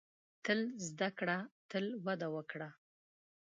• تل زده کړه، تل وده وکړه.